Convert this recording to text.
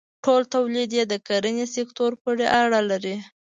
ټول تولید یې د کرنې سکتور پورې اړه لري.